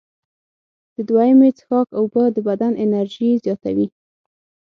د دویمې څښاک اوبه د بدن انرژي زیاتوي.